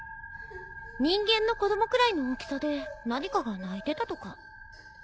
人間の子供くらいの大きさで何かが泣いてたとか。